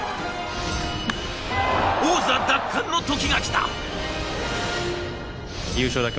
王座奪還の時が来た！